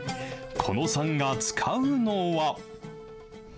狐野さんが使うのは。